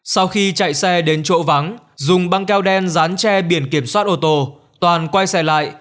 sau khi chạy xe đến chỗ vắng dùng băng keo đen dán tre biển kiểm soát ô tô toàn quay xe lại